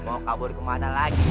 mau kabur ke mana lagi